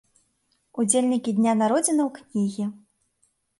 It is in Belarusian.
Удзельнікі дня народзінаў кнігі.